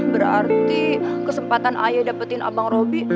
berarti kesempatan ayah dapetin abang roby